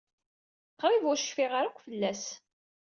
Qrib ur cfiɣ ara akk fell-as.